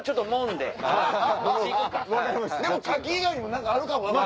でもカキ以外にも何かあるかも。